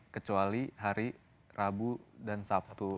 kecuali hari rabu dan sabtu